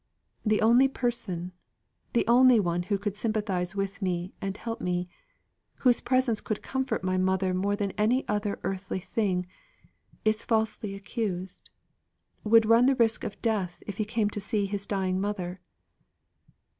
The only person the only one who could sympathise with me and help me whose presence could comfort my mother more than any other earthly thing is falsely accused would run the risk of death if he came to see his dying mother.